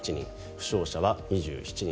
負傷者は２７人。